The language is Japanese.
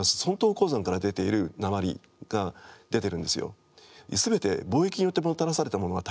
鉱山から出ている鉛が出てるんですよ。